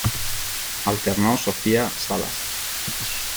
Alternó Sofía Salas.